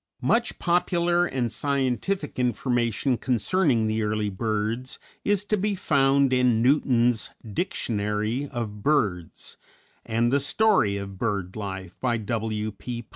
Much popular and scientific information concerning the early birds is to be found in Newton's "Dictionary of Birds," and "The Story of Bird Life," by W. P.